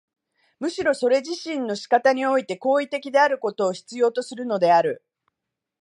むしろそれ自身の仕方において行為的であることを必要とするのである。